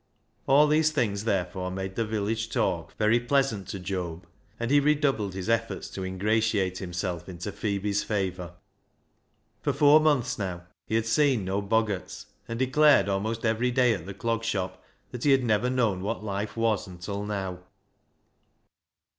All these things, therefore, made the village talk very pleasant to Job, and he redoubled his efforts to ingratiate himself into Phebe's favour. For four months now he had seen no "boggarts," and declared almost every day at 404 BECKSIDE LIGHTS the Clog Shop that he had never known what life was until now.